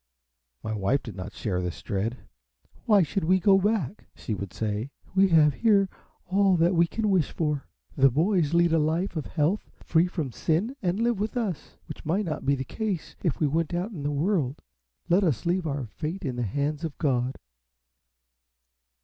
My wife did not share this dread. "Why should we go back?" she would say. "We have here all that we can wish for. The boys lead a life of health, free from sin, and live with us, which might not be the case if we went out in the world. Let us leave our fate in the hands of God."